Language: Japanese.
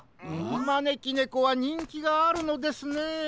まねきねこはにんきがあるのですね。